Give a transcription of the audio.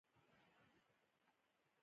هغه پۀ هر کار کې اول د بل ضرورت ته ګوري -